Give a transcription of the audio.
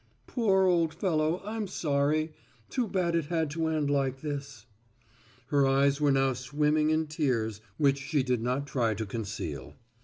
"Poor old fellow, I'm sorry. Too bad it had to end like this." Her eyes were now swimming in tears which she did not try to conceal.